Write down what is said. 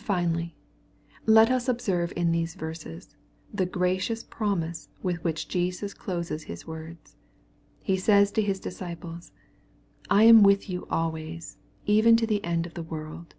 Finally, let us observe in these verses, the gracious pro mise with which Jesus closes Sis words. He says to His disciples " I am with you always even to the end of the world."